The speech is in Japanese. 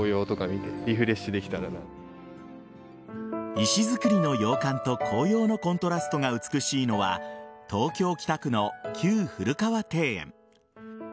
石造りの洋館と紅葉のコントラストが美しいのは東京・北区の旧古河庭園。